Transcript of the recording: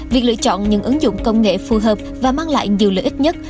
việc lựa chọn những ứng dụng công nghệ phù hợp và mang lại nhiều lợi ích nhất